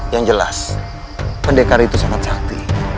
yang jelas pendekar itu sangat sakti